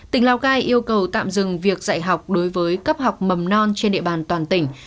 tỉnh lào cai yêu cầu tạm dừng việc dạy học đối với cấp học mầm non trên địa bàn toàn tỉnh